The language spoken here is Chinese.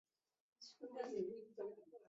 动画版和剧集版两者有些内容会不同。